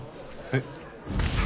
えっ？